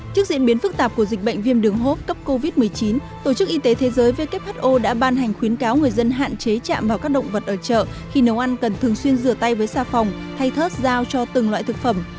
trước diễn biến phức tạp của dịch bệnh viêm đường hốp cấp covid một mươi chín tổ chức y tế thế giới who đã ban hành khuyến cáo người dân hạn chế chạm vào các động vật ở chợ khi nấu ăn cần thường xuyên rửa tay với xa phòng hay thớt dao cho từng loại thực phẩm